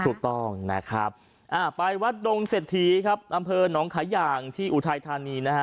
ถูกต้องนะครับไปวัดดงเศรษฐีครับอำเภอหนองขาย่างที่อุทัยธานีนะฮะ